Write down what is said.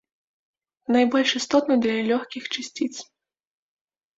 Найбольш істотна для лёгкіх часціц.